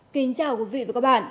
xin chào quý vị và các bạn